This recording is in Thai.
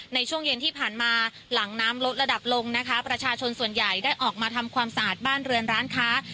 ในช่วงเย็นที่ผ่านมาหลังน้ำลดระดับลงนะคะประชาชนส่วนใหญ่ได้ออกมาทำความสะอาดบ้านเรือนร้านค้า